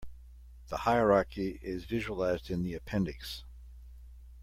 The hierarchy is visualized in the appendix.